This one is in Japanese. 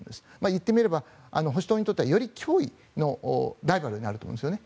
言ってみれば保守党によってはより脅威のライバルになると思いますね。